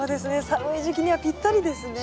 寒い時期にはぴったりですね。